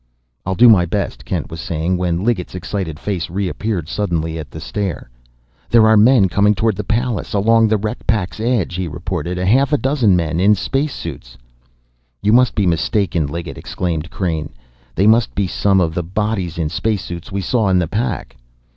"I'll do my best," Kent was saying, when Liggett's excited face reappeared suddenly at the stair. "There are men coming toward the Pallas along the wreck pack's edge!" he reported "a half dozen men in space suits!" "You must be mistaken, Liggett!" exclaimed Crain. "They must be some of the bodies in space suits we saw in the pack."